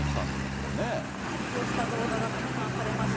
こうした動画が拡散されました。